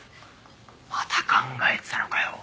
まだ考えてたのかよ